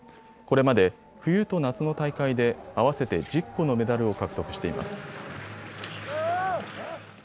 これまで冬と夏の大会で合わせて１０個のメダルを獲得しています。